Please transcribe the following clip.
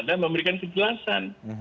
dan memberikan kejelasan